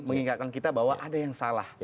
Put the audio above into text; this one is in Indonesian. mengingatkan kita bahwa ada yang salah